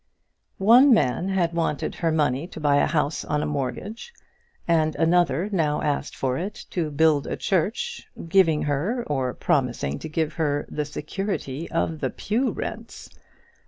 One man had wanted her money to buy a house on a mortgage, and another now asked for it to build a church, giving her, or promising to give her, the security of the pew rents.